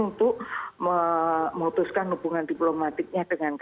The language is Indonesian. untuk memutuskan hubungan diplomatiknya dengan kpk